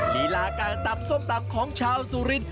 ลีลาการตำส้มตำของชาวสุรินท